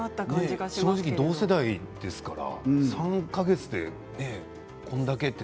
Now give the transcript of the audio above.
同世代ですから３か月でこれだけって。